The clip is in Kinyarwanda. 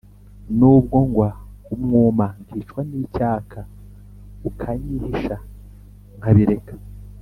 Nubwo ngwa umwuma nkicwa nicyaka Ukanyihisha nkabikeka